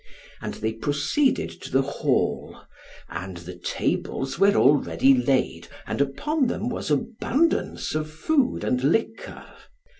And they proceeded to the hall, and the tables were already laid, and upon them was abundance of food and liquor.